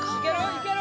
いける？